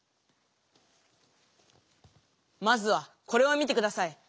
まずはこれを見て下さい。